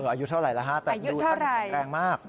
อายุเท่าไหร่แล้วฮะแต่ดูท่านแข็งแรงมาก